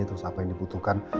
terus apa yang dibutuhkan